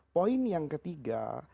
poin yang ketiga